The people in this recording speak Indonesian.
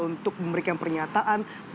untuk memberikan pernyataan